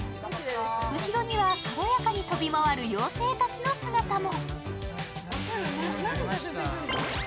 後ろには軽やかに飛び回る妖精たちの姿も。